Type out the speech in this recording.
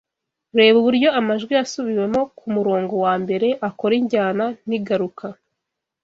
Reba uburyo amajwi yasubiwemo kumurongo wambere akora injyana ningaruka